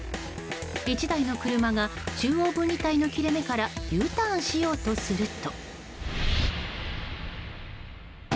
１台の車が中央分離帯の切れ目からＵターンしようとすると。